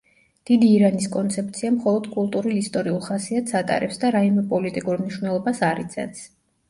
დიდი ირანის კონცეფცია მხოლოდ კულტურულ-ისტორიულ ხასიათს ატარებს და რაიმე პოლიტიკურ მნიშვნელობას არ იძენს.